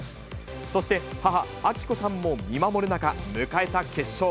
そして母、明子さんも見守る中、迎えた決勝。